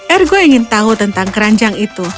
ergo ingin tahu tentang keranjang itu